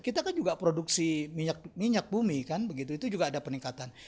kita kan juga produksi minyak bumi itu juga ada peningkatan